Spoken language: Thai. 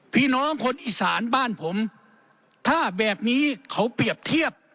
พี่น้องคนอีสานบ้านผมถ้าแบบนี้เขาเปรียบเทียบ